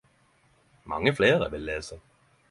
Mange fleire eg vil lese.